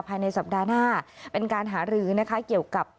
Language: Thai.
ภายในสัปดาห์หน้าเป็นการหารือนะคะเกี่ยวกับ